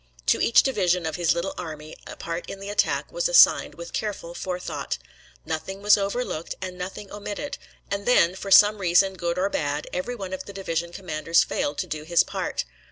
To each division of his little army a part in the attack was assigned with careful forethought. Nothing was overlooked and nothing omitted, and then, for some reason good or bad, every one of the division commanders failed to do his part.